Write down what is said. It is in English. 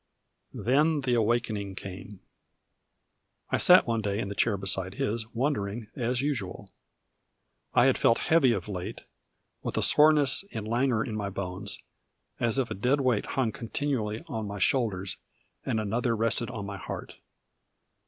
Then the awakening came. I sat one day in the chair beside his, wondering as usual. I had felt heavy of late, with a soreness and languor in my bones, as if a dead weight hung continually on my shoulders, and another rested on my heart.